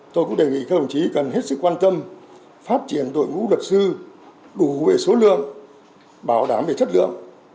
tôi cũng đề nghị các đồng chí cần hết sức quan tâm phát triển đội ngũ luật sư đủ về số lượng bảo đảm về chất lượng